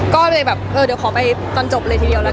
ก็เลยแบบเออเดี๋ยวขอไปตอนจบเลยทีเดียวแล้วกัน